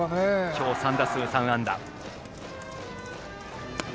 今日３打数３安打。